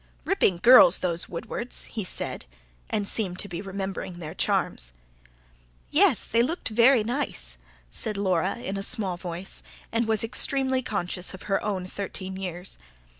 "Ripping girls, those Woodwards," he said, and seemed to be remembering their charms. "Yes, they looked very nice," said Laura in a small voice, and was extremely conscious of her own thirteen years.